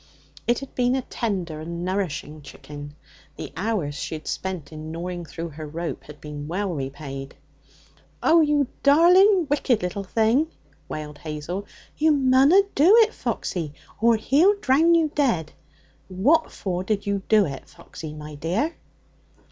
It had been a tender and nourishing chicken; the hours she had spent in gnawing through her rope had been well repaid. 'Oh! you darlin' wicked little thing!' wailed Hazel. 'You munna do it, Foxy, or he'll drown you dead. What for did you do it, Foxy, my dear?'